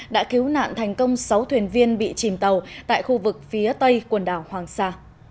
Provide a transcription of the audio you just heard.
đã cứu nạn thành công sáu thuyền viên bị chìm tàu tại khu vực phía tây quần đảo hoàng sa